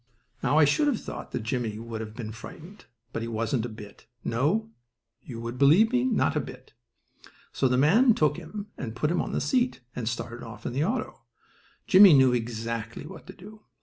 Now I should have thought that Jimmie would have been frightened, but he wasn't a bit, no, would you believe me, not a bit. So the man took him and put him on the seat and started off in the auto. Jimmie knew exactly what to do.